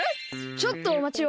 ちょっとおまちを。